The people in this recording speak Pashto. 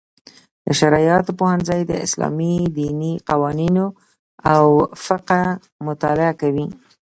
د شرعیاتو پوهنځی د اسلامي دیني قوانینو او فقه مطالعه کوي.